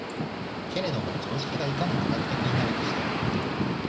けれども常識がいかに科学的になるにしても、